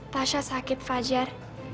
tasya sakit fajar